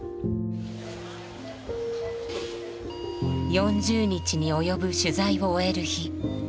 ４０日に及ぶ取材を終える日。